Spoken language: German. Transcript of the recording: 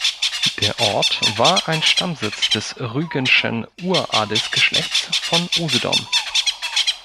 Der Ort war ein Stammsitz des rügenschen Uradelsgeschlechts von Usedom.